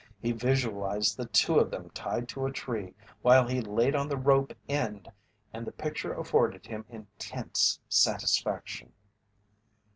He visualized the two of them tied to a tree while he laid on the rope end, and the picture afforded him intense satisfaction.